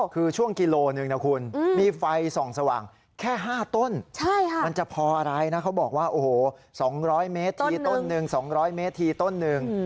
คือช่วงกิโลหนึ่งนะคุณมีไฟส่องสว่างแค่๕ต้นมันจะพออะไรนะเขาบอกว่าโอ้โห๒๐๐เมตรทีต้นหนึ่ง๒๐๐เมตรทีต้นหนึ่ง